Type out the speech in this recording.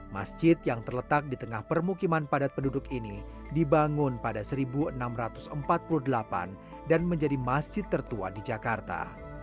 masjid yang terletak di tengah permukiman padat penduduk ini dibangun pada seribu enam ratus empat puluh delapan dan menjadi masjid tertua di jakarta